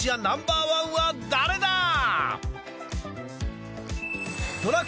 ナンバー１は誰だ？